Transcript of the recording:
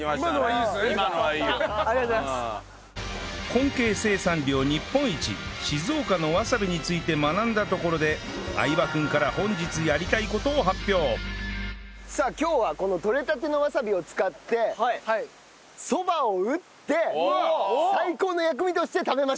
根茎生産量日本一静岡のわさびについて学んだところで相葉君からさあ今日はこの採れたてのわさびを使ってそばを打って最高の薬味として食べましょう！